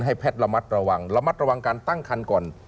แพทย์ระมัดระวังระมัดระวังการตั้งคันก่อน